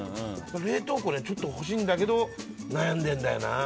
冷凍庫、ちょっと欲しいんだけど悩んでるんだよな。